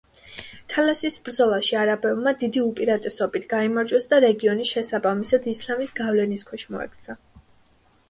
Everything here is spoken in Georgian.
თალასის ბრძოლაში არაბებმა დიდი უპირატესობით გაიმარჯვეს და რეგიონი შესაბამისად ისლამის გავლენის ქვეშ მოექცა.